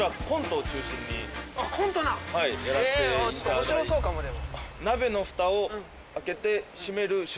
面白そうかもでも。